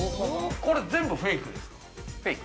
全部フェイクですか？